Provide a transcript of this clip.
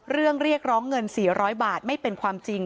เรียกร้องเงิน๔๐๐บาทไม่เป็นความจริง